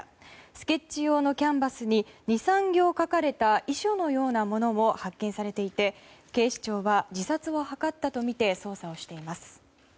スケッチ用のキャンバスに２、３行書かれた遺書のようなものも発見されていて警視庁は、自殺を図ったとみて捜査をしています。